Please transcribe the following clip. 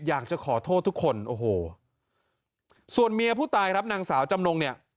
อยากจะขอโทษทุกคนโอ้โหส่วนเมียผู้ตายครับนางสาวจำนงเนี่ย